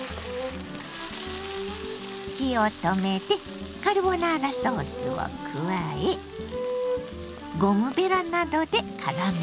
火を止めてカルボナーラソースを加えゴムべらなどでからめます。